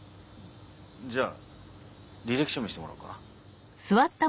じゃあ履歴書見せてもらおうかな。